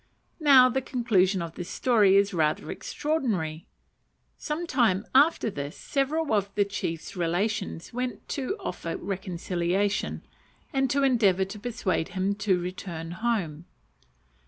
Now the conclusion of this story is rather extraordinary. Some time after this, several of the chief's relations went to offer reconciliation and to endeavour to persuade him to return home.